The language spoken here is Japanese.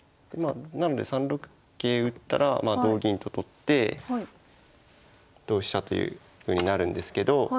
なので３六桂打ったら同銀と取って同飛車というふうになるんですけど。